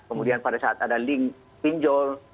kemudian pada saat ada link pinjol